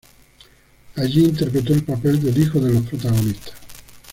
Allí interpretó el papel del hijo de los protagonistas.